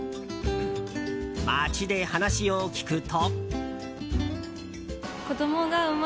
街で話を聞くと。